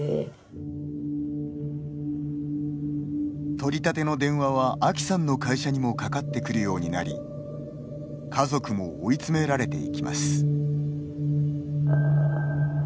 取り立ての電話は、あきさんの会社にもかかってくるようになり家族も追い詰められていきます。